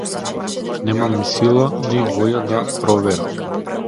Немам ни сила ни волја да проверам.